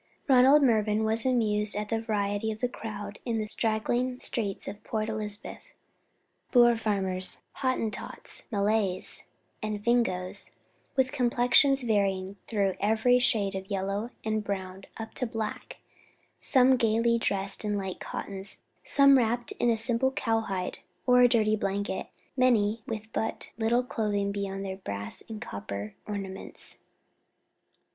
Ronald Mervyn was amused at the variety of the crowd in the straggling streets of Port Elizabeth. Boer farmers, Hottentots, Malays, and Fingoes, with complexions varying through every shade of yellow and brown up to black; some gaily dressed in light cottons, some wrapped in a simple cowhide or a dirty blanket, many with but little clothing beyond their brass and copper ornaments.